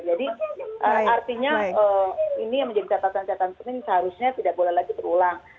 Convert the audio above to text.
jadi artinya ini yang menjadi catatan catatan penting seharusnya tidak boleh lagi berulang